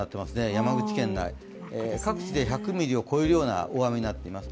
山口県内、各地で１００ミリを超えるような大雨になっています。